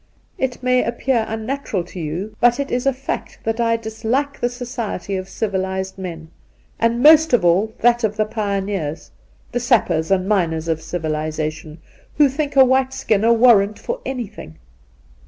Induna Nairn 95 It may appear unnatural to you, but it is a fact, that I dislike the society of civilized men, and most of all that of the pioneers — ^the sappers and miners of civilization — who think a white skin a warrant for anything.